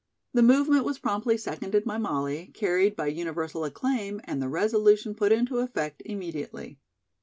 The movement was promptly seconded by Molly, carried by universal acclaim, and the resolution put into effect immediately.